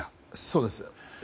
そうです。